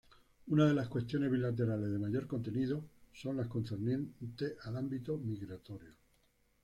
Una de las cuestiones bilaterales de mayor contenido son las concernientes al ámbito migratorio.